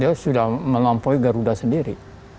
dia sudah melampaui garuda sendiri